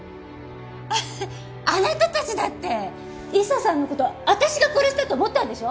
ハハッあなたたちだって理沙さんの事私が殺したと思ったんでしょ？